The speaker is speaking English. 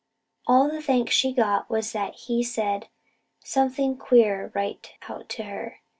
All the thanks she got was that he said something queer right out to her.